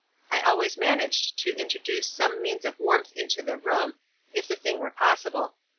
I always managed to introduce some means of warmth into the room, if the thing were possible.